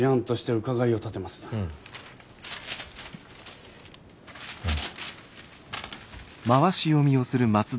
うん。